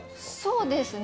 そうですね。